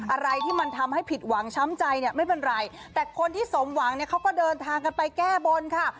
อะไรที่มันทำให้ผิดหวังช้ำใจเนี่ยไม่เป็นไรแต่คนที่สมหวังเนี่ยเขาก็เดินทางกันไปแก้บนค่ะ